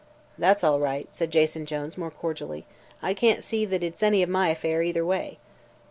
"That's all right," said Jason Jones, more cordially. "I can't see that it's any of my affair, either way."